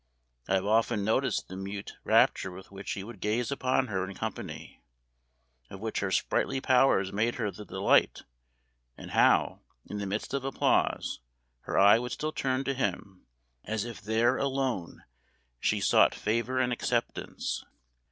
I have often noticed the mute rapture with which he would gaze upon her in company, of which her sprightly powers made her the delight: and how, in the midst of applause, her eye would still turn to him, as if there alone she sought favor and acceptance.